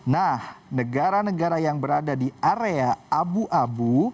nah negara negara yang berada di area abu abu